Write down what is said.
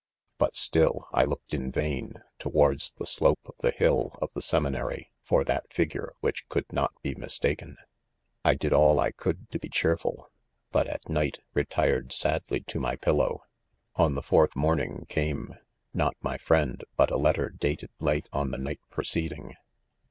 ; But still, I looked in vain, towards the slope ; of : the* hill of the seminary, for that figure, which could not be mistaken. I did all I could ,td be cheer HO 1DOMEN. ful, but, at 'night, retired sadly to my pillow. ' 6 On .the fourth morning came — not my friend but a letter dated late, on the night preceding.